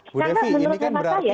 karena menurut hemat saya